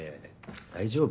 大丈夫？